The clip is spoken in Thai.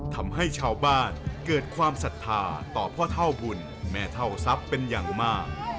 ทำให้ชาวบ้านเกิดความศรัทธาต่อพ่อเท่าบุญแม่เท่าทรัพย์เป็นอย่างมาก